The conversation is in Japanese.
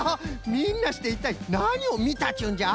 みんなしていったいなにをみたっちゅうんじゃ？